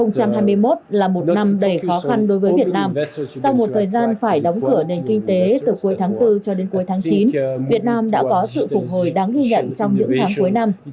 năm hai nghìn hai mươi một là một năm đầy khó khăn đối với việt nam sau một thời gian phải đóng cửa nền kinh tế từ cuối tháng bốn cho đến cuối tháng chín việt nam đã có sự phục hồi đáng ghi nhận trong những tháng cuối năm